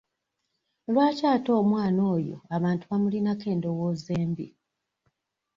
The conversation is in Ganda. Lwaki ate omwana oyo abantu bamulinako endowooza embi?